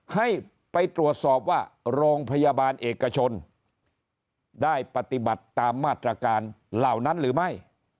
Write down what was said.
ให้ไปตรวจสอบว่าโรงพยาบาลเอกชนได้ปฏิบัติตามมาตรการเหล่านั้นหรือไม่